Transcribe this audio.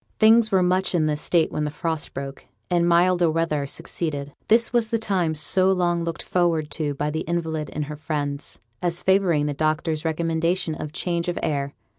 Things were much in this state when the frost broke, and milder weather succeeded. This was the time so long looked forward to by the invalid and her friends, as favouring the doctor's recommendation of change of air.